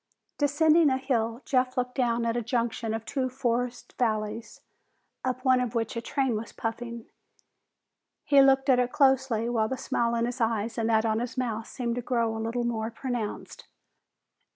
Descending a hill, Jeff looked down at a junction of two forested valleys, up one of which a train was puffing. He looked at it closely, while the smile in his eyes and that on his mouth seemed to grow a little more pronounced.